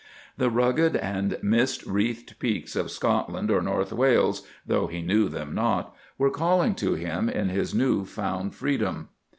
The rugged and mist wreathed peaks of Scotland or North Wales, though he knew them not, were calling to him in his new found freedom.